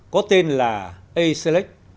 có tên là a selig